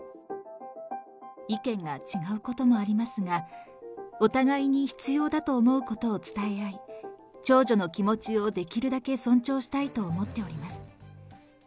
意見が違うこともありますが、お互いに必要だと思うことを伝え合い、長女の気持ちをできるだけ尊重したいと思っております。